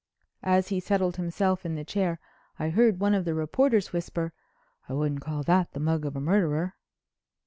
As he settled himself in the chair, I heard one of the reporters whisper: "I wouldn't call that the mug of a murderer."